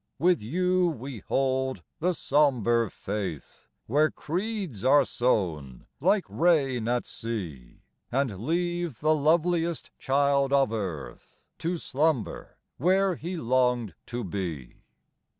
With you we hold the sombre faith Where creeds are sown like rain at sea; And leave the loveliest child of earth To slumber where he longed to be.